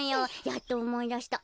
やっとおもいだした。